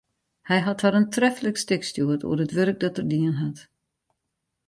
Hy hat har in treflik stik stjoerd oer it wurk dat er dien hat.